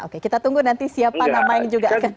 oke kita tunggu nanti siapa nama yang juga akan